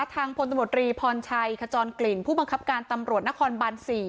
พลตำรวจรีพรชัยขจรกลิ่นผู้บังคับการตำรวจนครบาน๔